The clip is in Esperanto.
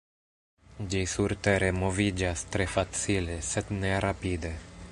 Ĝi surtere moviĝas tre facile, sed ne rapide.